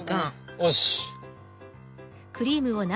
よし！